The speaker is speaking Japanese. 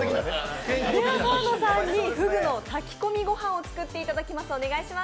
では、澤野さんにふぐの炊き込みごはんを作っていただきます。